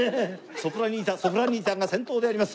ソプラニータソプラニータが先頭であります。